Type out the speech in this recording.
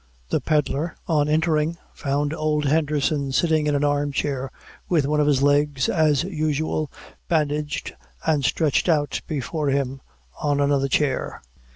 The pedlar, on entering, found old Henderson sitting in an arm chair, with one of his legs, as usual, bandaged and stretched out before him on another chair.